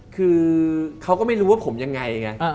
คือเขาก็ไม่รู้ว่าผมยังไงไง